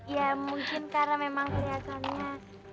ya mungkin karena memang kelihatannya